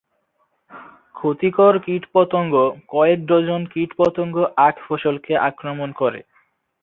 ক্ষতিকর কীটপতঙ্গ কয়েক ডজন কীটপতঙ্গ আখ ফসলকে আক্রমণ করে।